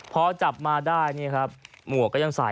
พอจับมาได้นี่ครับหมวกก็ยังใส่